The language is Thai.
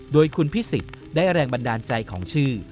โดยคุณพิสิทธิ์ได้แรงบันดาลใจของชื่อ